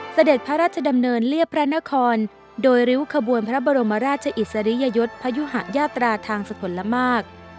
เสด็จพระราชดำเนินเรียบพระนครโดยริ้วขบวนพระบรมราชอิสริยยศพยุหะยาตราทางสกลมาก